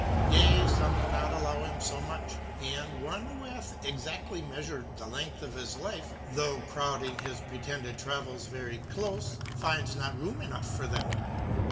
Yea fome will not al ! low him fo much, and * one who hath exactly meaiiired the ! length of his life.,though crowding his pretended travells ve ry clofe, finds not room enough for them.